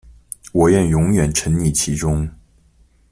我愿永远沈溺其中